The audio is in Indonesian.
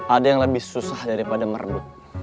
ada yang lebih susah daripada meredup